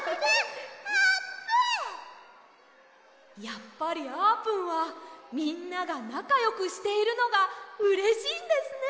やっぱりあーぷんはみんながなかよくしているのがうれしいんですね。